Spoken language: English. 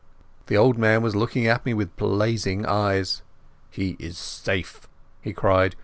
The old man was looking at me with blazing eyes. "He is safe," he cried.